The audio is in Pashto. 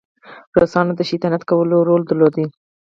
روسانو د شیطانت کولو رول درلود.